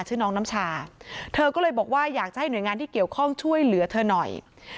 ชื่อน้องน้ำชาเธอก็เลยบอกว่าอยากจะให้หน่วยงานที่เกี่ยวข้องช่วยเหลือเธอหน่อย